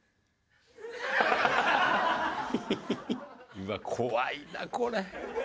うわっ怖いなこれ。